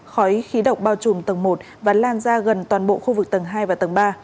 khói khí độc bao trùm tầng một và lan ra gần toàn bộ khu vực tầng hai và tầng ba